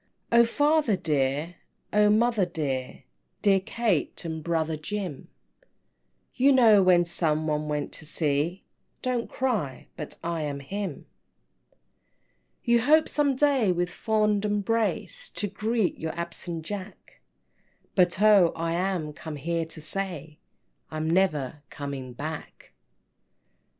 III. "O father dear, O mother dear, Dear Kate, and brother Jim You know when some one went to sea Don't cry but I am him!" IV. "You hope some day with fond embrace To greet your absent Jack, But oh, I am come here to say I'm never coming back!"